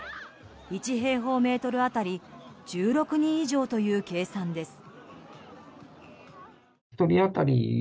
１平方メートル当たり１６人以上という計算です。